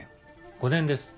５年です。